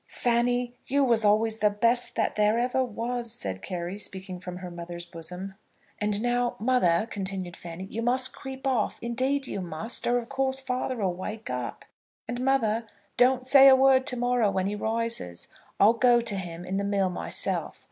"Fanny, you was always the best that there ever was," said Carry, speaking from her mother's bosom. "And now, mother," continued Fanny, "you must creep off. Indeed you must, or of course father'll wake up. And mother, don't say a word to morrow when he rises. I'll go to him in the mill myself.